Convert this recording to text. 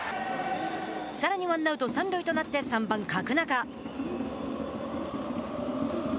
さらにワンアウト、三塁となって３番角中。